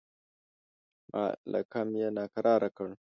مالکم یې ناکراره کړ.